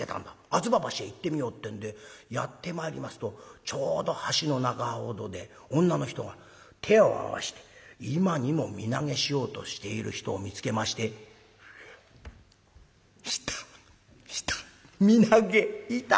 吾妻橋へ行ってみよう」ってんでやって参りますとちょうど橋の中ほどで女の人が手を合わして今にも身投げしようとしている人を見つけまして「いたいた。